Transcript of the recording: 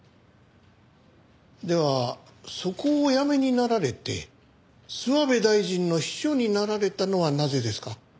ではそこをお辞めになられて諏訪部大臣の秘書になられたのはなぜですか？